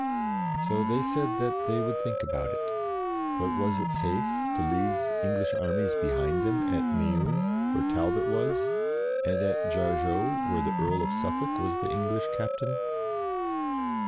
So they said that they would think about it, but was it safe to leave English armies behind them, at Meun, where Talbot was, and at Jargeau, where the Earl of Suffolk was the English captain?